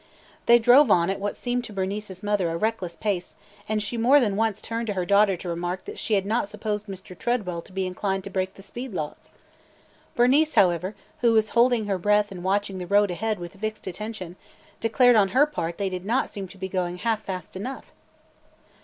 They drove on at what seemed to Bernice's mother a reckless pace, and she more than once turned to her daughter to remark that she had not supposed Mr. Tredwell to be so inclined to break the speed laws. Bernice, however, who was holding her breath and watching the road ahead with fixed attention, declared on her part they did not seem to be going half fast enough.